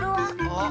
あっ。